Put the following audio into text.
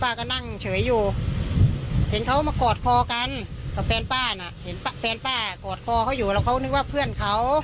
ก็นั่งเฉยอยู่เห็นเขามากอดคอกันกับแฟนป้าน่ะเห็นแฟนป้ากอดคอเขาอยู่แล้วเขานึกว่าเพื่อนเขา